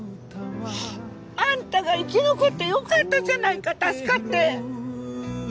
アンタが生き残ってよかったじゃないか助かって。